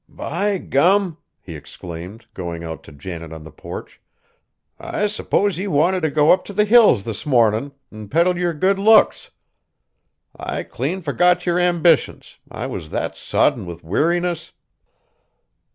"By gum!" he exclaimed, going out to Janet on the porch; "I s'pose ye wanted t' go up t' the Hills this mornin', an' peddle yer good looks. I clean forgot yer ambitions, I was that sodden with weariness."